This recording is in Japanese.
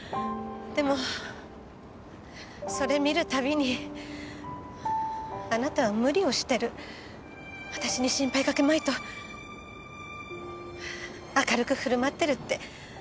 でもそれを見る度にあなたは無理をしてる私に心配かけまいと明るく振る舞ってるって。